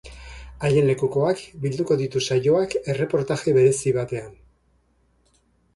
Haien lekukoak bilduko ditu saioak erreportaje berezi batean.